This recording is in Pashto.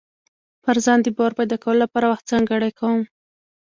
پر ځان د باور پيدا کولو لپاره وخت ځانګړی کوم.